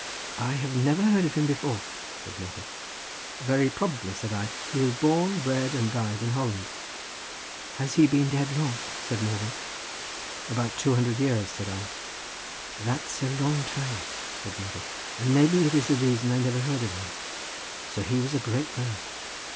"I never heard of him before," said Morgan. "Very probably," said I; "he was born, bred, and died in Holland." "Has he been dead long?" said Morgan. "About two hundred years," said I. "That's a long time," said Morgan, "and maybe is the reason that I never heard of him. So he was a great man?"